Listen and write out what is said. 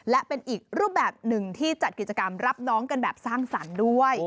และเป็นอีกรูปแบบหนึ่งที่จัดกิจกรรมรับน้องกันแบบสร้างสรรค์ด้วย